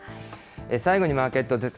最後にマーケットです。